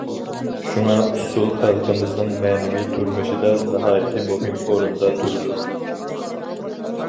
شۇڭا، ئۇسسۇل خەلقىمىزنىڭ مەنىۋى تۇرمۇشىدا ناھايىتى مۇھىم ئورۇندا تۇرىدۇ.